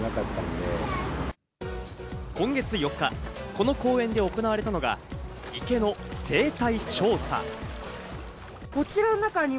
今月４日、この公園で行われたのが池の生態調査。